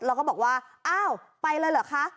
แล้วก็บอกว่าอ้าวไปเลยเหรอคะ